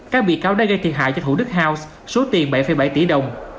các bị cáo đã gây thiệt hại cho thủ đức house số tiền bảy bảy tỷ đồng